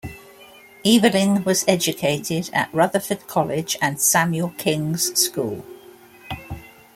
Eveling was educated at Rutherford College and Samuel King's School.